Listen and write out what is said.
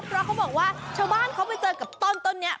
เพราะเขาบอกว่าชาวบ้านเขาไปเจอกับต้นนี้